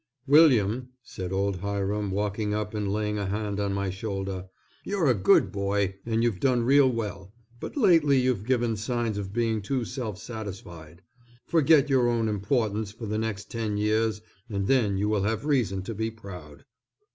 "William," said old Hiram walking up and laying a hand on my shoulder, "you're a good boy, and you've done real well, but lately you've given signs of being too self satisfied. Forget your own importance for the next ten years and then you will have reason to be proud."